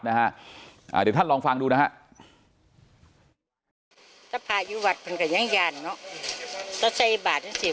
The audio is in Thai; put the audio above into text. เดี๋ยวท่านลองฟังดูนะฮะ